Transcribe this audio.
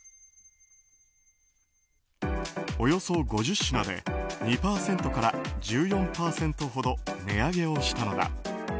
およそ５０品で２％から１４％ほど値上げをしたのだ。